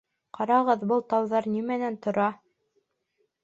Ҡарағыҙ, был тауҙар нимәнән тора?